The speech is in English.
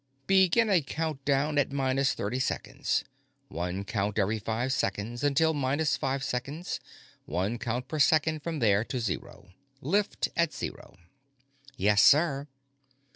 "Begin a countdown at minus thirty seconds. One count every five seconds until minus five seconds, one count per second from there to zero. Lift at zero." "Yes, sir."